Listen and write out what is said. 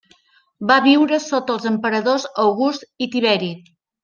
Va viure sota els emperadors August i Tiberi.